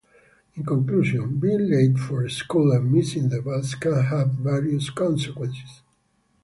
In conclusion, being late for school and missing the bus can have various consequences.